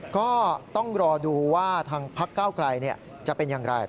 ก็ต้องรอดูว่าทางพักเก้าไกลจะเป็นอย่างไร